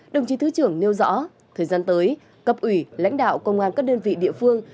đồng chí thứ trưởng nêu rõ thời gian tới cập ủy lãnh đạo công an các đơn vị địa phương